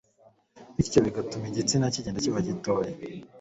bityo bigatuma igitsina kigenda kiba gitoya